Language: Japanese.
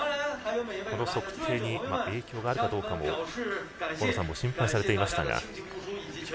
測定に影響があるかどうかも河野さんも心配されていましたが。